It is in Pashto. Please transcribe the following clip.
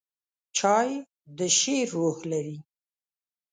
چای د شعر روح لري.